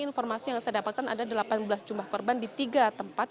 informasi yang saya dapatkan ada delapan belas jumlah korban di tiga tempat